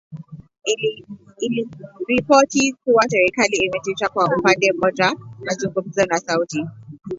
Iiliripoti kuwa serikali imesitisha kwa upande mmoja mazungumzo na Saudi.